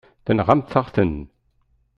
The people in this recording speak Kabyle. Tenɣamt-aɣ-ten.